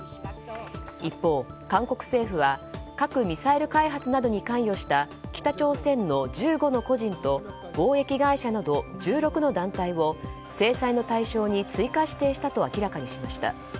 一方、韓国政府は核・ミサイル開発などに関与した北朝鮮の１５の個人と貿易会社など１６の団体を制裁の対象に追加指定したと明らかにしました。